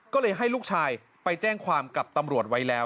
ก็เลยให้ลูกชายไปแจ้งความกับตำรวจไว้แล้ว